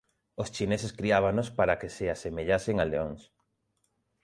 Os chineses criábanos para que se asemellasen a leóns.